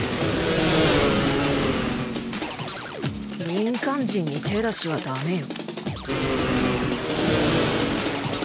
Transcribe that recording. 民間人に手出しはダメよ